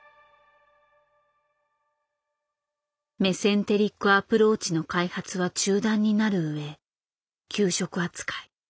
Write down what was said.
「メセンテリック・アプローチ」の開発は中断になる上休職扱い。